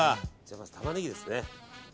まずタマネギですね。